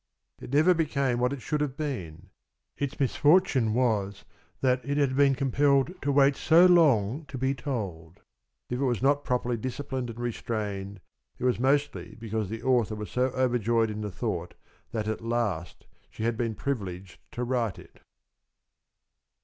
It never became what it should have been. Its misfortune was that it had been compelled to wait so long to be told. If it was not properly disciplined and restrained, it was mostly because the author was so overjoyed in the thought that at last she had been privileged to write it.